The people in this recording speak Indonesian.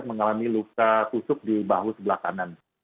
mengalami luka tusuk di bahu sebelah kanan